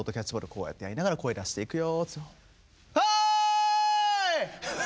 こうやってやりながら声出して行くよってハーイ！